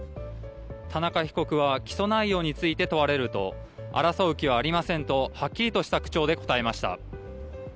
田中被告は起訴内容について問われると争う気はありませんとはっきりとした口調で答えました。